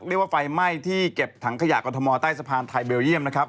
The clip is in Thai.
เรียกว่าไฟไหม้ที่เก็บถังขยะกรทมใต้สะพานไทยเบลเยี่ยมนะครับ